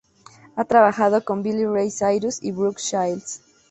Ha trabajado con Billy Ray Cyrus y Brooke Shields.